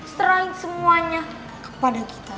serahin semuanya kepada kita